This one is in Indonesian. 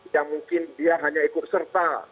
yang mungkin dia hanya ikut serta